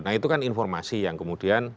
nah itu kan informasi yang kemudian